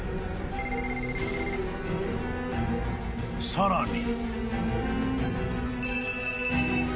［さらに］